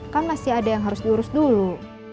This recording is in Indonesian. kan masih ada yang harus diurus dulu